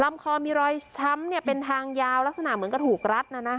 คอมีรอยช้ำเป็นทางยาวลักษณะเหมือนก็ถูกรัด